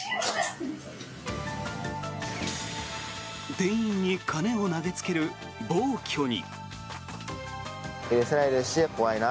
店員に金を投げつける暴挙に。